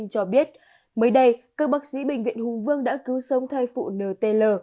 cho biết mới đây các bác sĩ bệnh viện hùng vương đã cứu sống thai phụ n t l